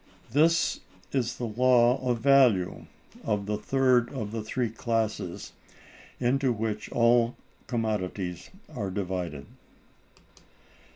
This is the Law of Value of the third of the three classes into which all commodities are divided.